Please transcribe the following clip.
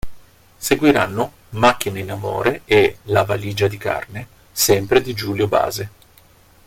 Seguiranno "Macchine in amore" e "La valigia di carne" sempre di Giulio Base.